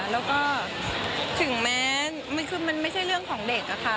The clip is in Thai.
แล้วก็ถึงแม้มันคือมันไม่ใช่เรื่องของเด็กอะค่ะ